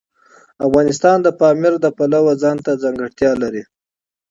افغانستان د پامیر د پلوه ځانته ځانګړتیا لري.